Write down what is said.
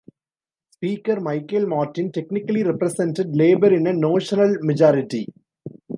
Speaker Michael Martin technically represented Labour in a notional majority.